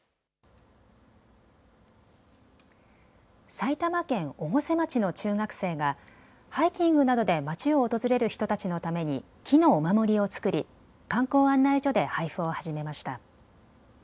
埼玉県越生町の中学生がハイキングなどで町を訪れる人たちのために木のお守りを作り観光案内所で配布を始めました。